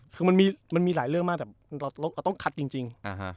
คือมันมีหลายเรื่องมากแต่เราต้องคัดจริง